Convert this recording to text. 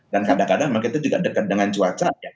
dan kadang kadang makanya itu juga dekat dengan cuaca buruk